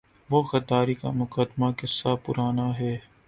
وہ غداری کا مقدمہ قصۂ پارینہ ہے۔